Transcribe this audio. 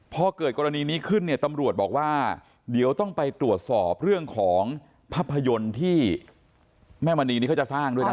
พอเกิดกรณีนี้ขึ้นเนี่ยตำรวจบอกว่าเดี๋ยวต้องไปตรวจสอบเรื่องของภาพยนตร์ที่แม่มณีนี้เขาจะสร้างด้วยนะ